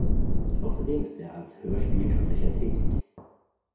Außerdem ist er als Hörspielsprecher tätig.